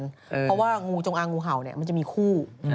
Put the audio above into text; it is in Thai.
เพราะว่างูจงอางงูเห่ามันจะมีคู่